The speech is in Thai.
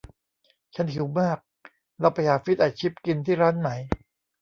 ฉันหิวมาก เราไปหาฟิชแอนด์ชิพกินที่ร้านไหม